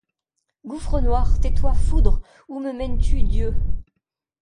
Gouffre noir ! Tais-toi, foudre ! Où me mènes-tu, Dieu ?